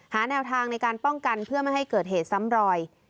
แนวทางในการป้องกันเพื่อไม่ให้เกิดเหตุซ้ำรอย